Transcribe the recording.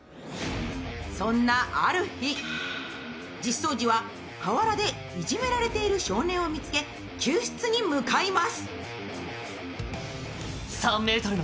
そんなある日、実相寺は河原でいじめられている少年を見つけ、救出に向かいます。